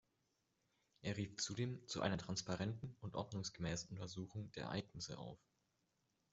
Er rief zudem zu einer transparenten und ordnungsgemäßen Untersuchung der Ereignisse auf.